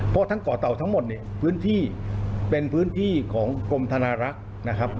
เพราะทั้งเกาะเต่าทั้งหมดเนี่ยพื้นที่เป็นพื้นที่ของกรมธนารักษ์นะครับ